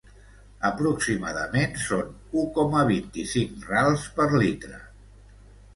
Aproximadament són u coma vint-i-cinc rals per litre.